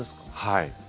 はい。